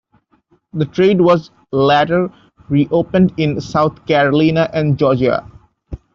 The trade was later reopened in South Carolina and Georgia.